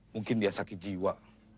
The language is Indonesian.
bagaimana dia bisa sakit jiwa